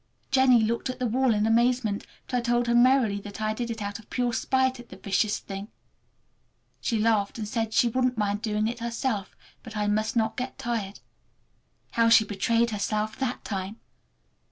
Jennie looked at the wall in amazement, but I told her merrily that I did it out of pure spite at the vicious thing. She laughed and said she wouldn't mind doing it herself, but I must not get tired. How she betrayed herself that time!